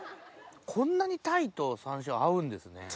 こんなに鯛と山椒合うんですね。